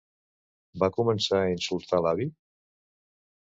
Va començar a insultar l'avi?